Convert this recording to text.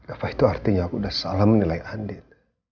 apa itu artinya aku sudah salah menilai andin